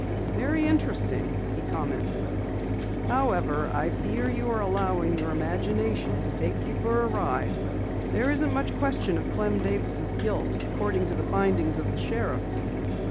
"Very interesting," he commented. "However, I fear you are allowing your imagination to take you for a ride. There isn't much question of Clem Davis' guilt according to the findings of the sheriff."